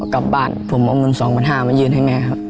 กลับบ้านผมเอาเงิน๒๕๐๐มายื่นให้แม่ครับ